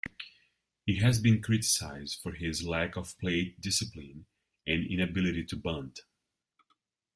He has been criticized for his lack of plate discipline and inability to bunt.